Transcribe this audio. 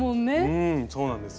うんそうなんです。